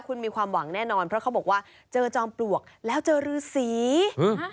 คุณมีความหวังแน่นอนเพราะเขาบอกว่าเจอจอมปลวกแล้วเจอรือสีอืม